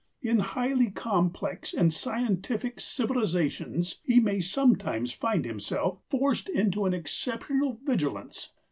In highly complex and scientific civilisations he may sometimes find himself forced into an exceptional vigilance.